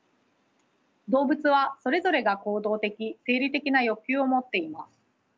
動物はそれぞれが行動的生理的な欲求を持っています。